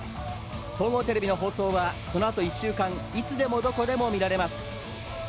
総合テレビの放送はそのあと１週間いつでもどこでも見られます。